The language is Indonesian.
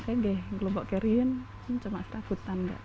kayaknya tidak di lombok keri cuma serabutan